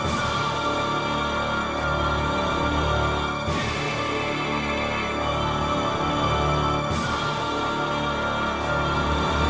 sebaiknya aku pergi dari sini